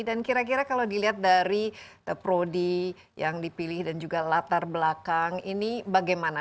dan kira kira kalau dilihat dari prodi yang dipilih dan juga latar belakang ini bagaimana